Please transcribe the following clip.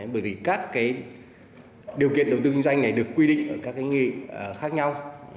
bởi vì các điều kiện đầu tư kinh doanh này được quy định ở các nghị khác nhau